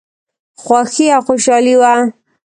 خوښي او خوشالي وه.